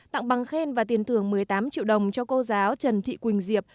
tặng bằng khen và tiền thưởng một mươi tám triệu đồng cho cô giáo trần thị quỳnh diệp